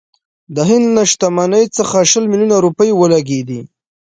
د هند له شتمنۍ څخه شل میلیونه روپۍ ولګېدې.